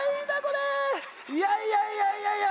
いやいやいやいやいや。